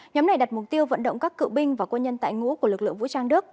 nhóm này đặt mục tiêu vận động các cựu binh và quân nhân tại ngũ của lực lượng vũ trang đức